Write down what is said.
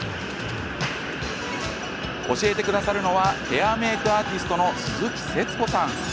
教えてくれるのはヘアメークアーティストの鈴木節子さん。